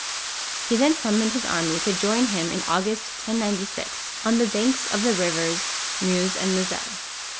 He then summoned his army to join him in August, 1096, on the banks of the rivers Meuse and Moselle.